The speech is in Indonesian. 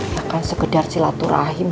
ya kan sekedar silaturahim